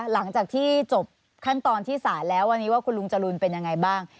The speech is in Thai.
หลังจากที่จบขั้นตอนที่ศาลแล้ววันนี้ว่าคุณลุงจรูนเป็นยังไงบ้าง